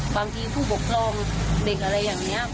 ผู้ปกครองเด็กอะไรอย่างนี้